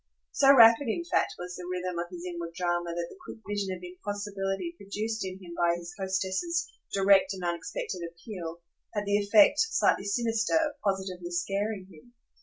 So rapid in fact was the rhythm of his inward drama that the quick vision of impossibility produced in him by his hostess's direct and unexpected appeal had the effect, slightly sinister, of positively scaring him.